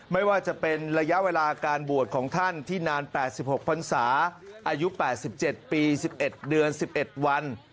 ไม่ว่าจะเป็นระยะเวลาการบวชของท่านที่นาน๘๖พันศาอายุ๘๗ปี๑๑เดือน๑๑วัน